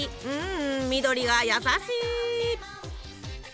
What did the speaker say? うん緑が優しい！